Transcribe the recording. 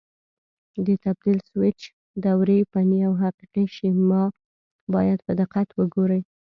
د تبدیل سویچ دورې فني او حقیقي شیما باید په دقت وګورئ.